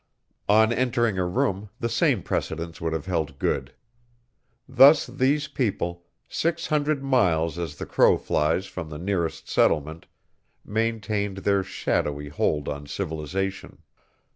On entering a room the same precedence would have held good. Thus these people, six hundred miles as the crow flies from the nearest settlement, maintained their shadowy hold on civilization.